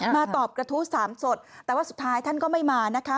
มาตอบกระทู้สามสดแต่ว่าสุดท้ายท่านก็ไม่มานะคะ